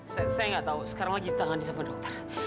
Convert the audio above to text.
saya enggak tahu sekarang lagi ditanganin sama dokter